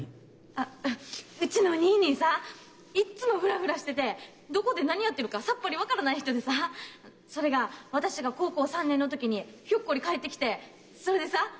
あうちの兄い兄いさいっつもフラフラしててどこで何やってるかさっぱり分からない人でさぁそれが私が高校３年の時にひょっこり帰ってきてそれでさぁ。